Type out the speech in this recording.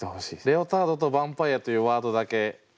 「レオタード」と「ヴァンパイア」というワードだけお渡しして。